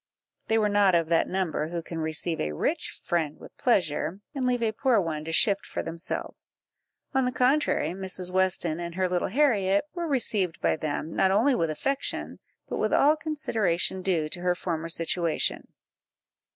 They were not of that number who can receive a rich friend with pleasure, and leave a poor one to shift for themselves; on the contrary, Mrs. Weston and her little Harriet were received by them, not only with affection, but with all consideration due to her former situation.